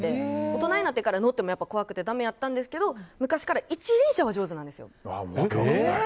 大人になってから乗っても怖くてだめやったんですけど昔から一輪車は上手なんですよ。